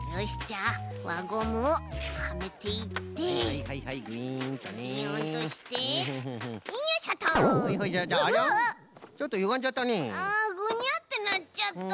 あグニャってなっちゃった！